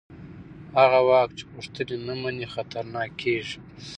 هغه واک چې پوښتنې نه مني خطرناک کېږي